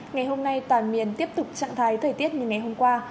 ngày hôm nay toàn miền tiếp tục trạng thái thời tiết như ngày hôm qua